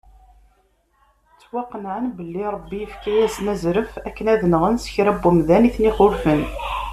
Ttwaqenɛen belli Ṛebbi yefka-asen azref akken ad nɣen sekra n umdan iten-ixulfen.